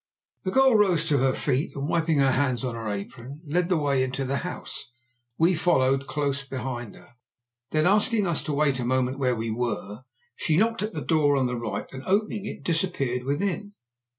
The girl rose to her feet, and, wiping her hands on her apron, led the way into the house. We followed close behind her. Then, asking us to wait a moment where we were, she knocked at a door on the right, and opening it, disappeared within.